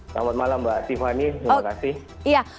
selamat malam mbak tiffany terima kasih